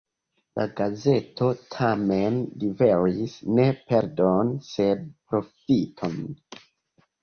La gazeto tamen liveris ne perdon, sed profiton.